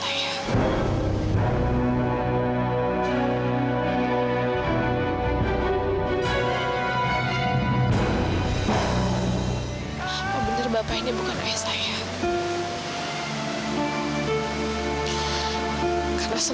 apa bener bapak ini bukan ayah saya